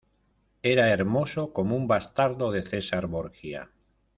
era hermoso como un bastardo de César Borgia.